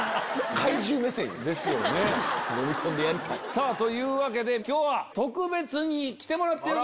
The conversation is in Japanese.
さぁというわけで今日は特別に来てもらってる。